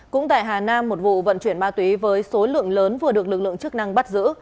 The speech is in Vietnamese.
cũng tại hà nam một vụ vận chuyển ma túy với số lượng lớn vừa được lực lượng chức năng bắt giữ